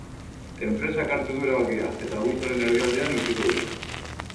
Enpresak hartu du erabakia, eta abuztuaren erdialdean utziko dute.